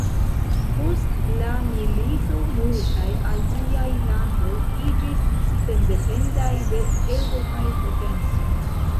Post la milito, multaj Aziaj landoj iĝis sendependaj de Eŭropaj potencoj.